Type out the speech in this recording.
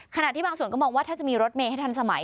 ขณะที่บางส่วนก็มองว่าถ้าจะมีรถเมย์ให้ทันสมัย